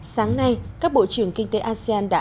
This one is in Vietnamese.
sáng nay các bộ trưởng kinh tế asean đã